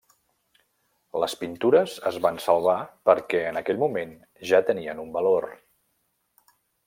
Les pintures es van salvar perquè en aquell moment ja tenien un valor.